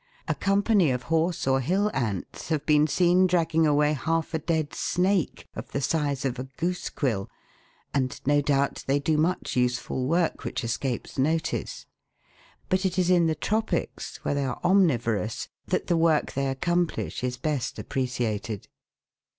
A company of horse or hill ants have been seen dragging away half a dead snake of the size of a goose quill, and no doubt they do much useful work which escapes notice; but it is in the tropics, where they are omnivorous, that the work they accomplish is best appreciated.